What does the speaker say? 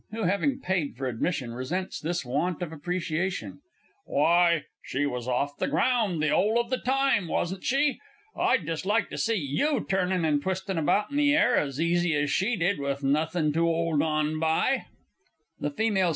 (who, having paid for admission, resents this want of appreciation). Why, she was off the ground the 'ole of the time, wasn't she? I'd just like to see you turnin' and twisting about in the air as easy as she did with nothing to 'old on by! THE F. S.